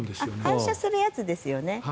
反射するやつですよね。